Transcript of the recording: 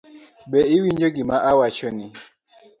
Be iwinjo gima awachoni?